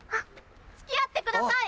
付き合ってください！